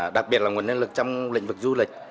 đặc biệt là nguồn nhân lực trong lĩnh vực du lịch